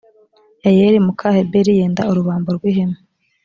yayeli muka heberi yenda urubambo rw ihema